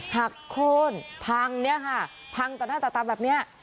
หักโค้นพังเนี่ยค่ะพังต่อหน้าต่อตาแบบนี้